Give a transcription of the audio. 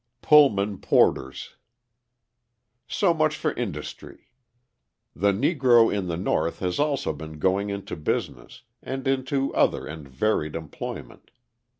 Pullman Porters So much for industry. The Negro in the North has also been going into business and into other and varied employment.